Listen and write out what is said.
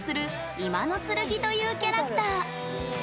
今剣というキャラクター。